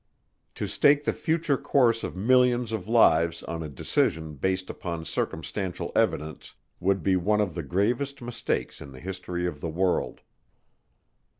To stake the future course of millions of lives on a decision based upon circumstantial evidence would be one of the gravest mistakes in the history of the world.